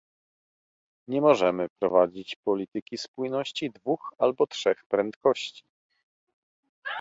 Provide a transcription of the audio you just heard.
Nie możemy prowadzić polityki spójności dwóch albo trzech prędkości